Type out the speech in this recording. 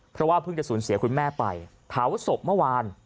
เพราะว่าเพิ่งจะสูญเสียคุณแม่ไปเผาศพเมื่อวาน